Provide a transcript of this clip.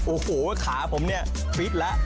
โอ้โหขาผมเนี่ยฟิตแล้ว